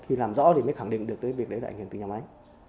khi làm rõ thì mới khẳng định được cái việc đấy là ảnh hưởng từ nhà máy